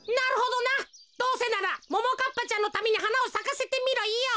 どうせならももかっぱちゃんのためにはなをさかせてみろよ。